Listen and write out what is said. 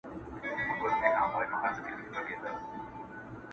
هر یوه وه را اخیستي تومنونه!!